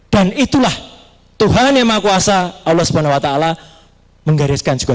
dan itulah tuhan yang maha kuasa allah swt menggariskan juga